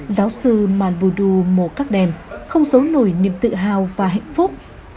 giáo sư manbudu mokakden không xấu nổi niềm tự hào và hạnh phúc